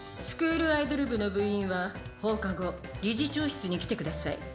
スクールアイドル部の部員は放課後理事長室に来て下さい」。